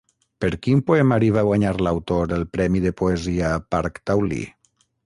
Per quin poemari va guanyar l'autor el Premi de Poesia Parc Taulí?